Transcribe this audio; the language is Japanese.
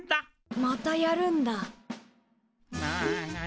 またやるんだ。